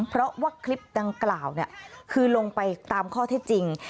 เพราะว่าคลิปดังกล่าวคือลงไปตามข้อเท็จจริง